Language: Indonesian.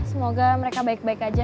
semoga mereka baik baik aja